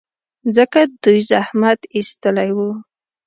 ځکه دوی زحمت ایستلی و.